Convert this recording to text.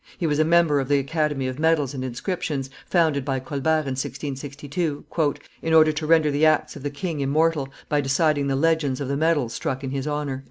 He was a member of the Academy of medals and inscriptions, founded by Colbert in 1662, "in order to render the acts of the king immortal, by deciding the legends of the medals struck in his honor."